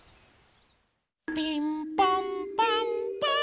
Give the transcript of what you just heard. ピンポンパンポーン！